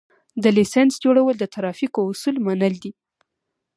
د لېسنس جوړول د ترافیکو اصول منل دي